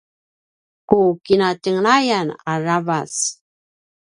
ku kinatjenglayan aravac